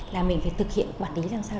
là mình phải thực hiện quản lý làm sao